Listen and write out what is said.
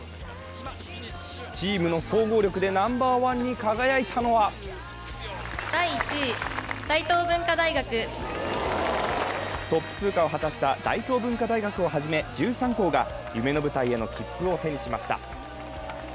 チームの総合力でナンバーワンに輝いたのはトップ通過を果たした大東文化大学をはじめ１３校が夢の舞台への切符を手にしました。